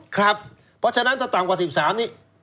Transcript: เพราะฉะนั้นถ้าต่ำกว่า๑๓นี่